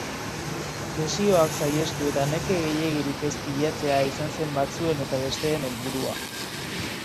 Lesioak saihestu eta neke gehiegirik ez pilatzea izan zen batzuen eta besteen helburua.